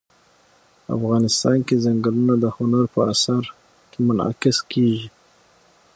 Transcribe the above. افغانستان کې ځنګلونه د هنر په اثار کې منعکس کېږي.